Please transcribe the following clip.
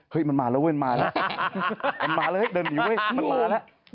เฮ้ยมันมาแล้วเว้ยมันมาแล้วมันมาเลยเดินหนีเว้ยมันมาแล้ว